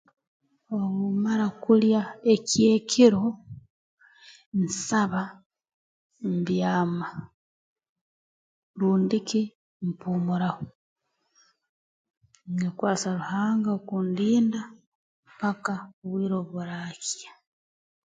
Obu mmara kulya eky'ekiro nsaba mbyama rundi ki mpuumuraho nyekwasa Ruhanga okundinda paka obwire obu baraakya